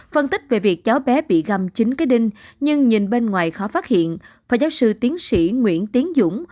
phân tích về việc chó bé bị găm chín cái đinh nhưng nhìn bên ngoài khó phát hiện phó giáo sư tiến sĩ nguyễn tiến dũng